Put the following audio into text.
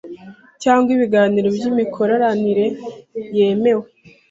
cyangwa ibiganiro by imikoranire yemewe